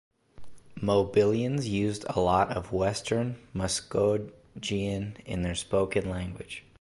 Mobilians used a lot of Western Muskogean in their spoken language.